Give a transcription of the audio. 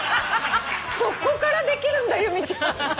そこからできるんだ由美ちゃん。